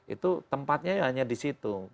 itu tempatnya hanya di situ